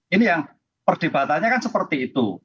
ini yang perdebatannya kan seperti itu